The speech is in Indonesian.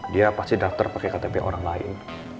dia pasti daftar pakai ktp orang lain